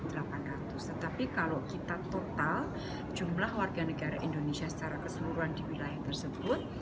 tetapi kalau kita total jumlah warga negara indonesia secara keseluruhan di wilayah tersebut